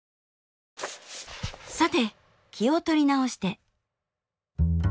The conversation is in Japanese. さて気を取り直して。